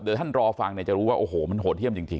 เดี๋ยวท่านรอฟังเนี่ยจะรู้ว่าโอ้โหมันโหดเยี่ยมจริง